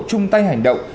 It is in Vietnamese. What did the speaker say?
trung tay hành động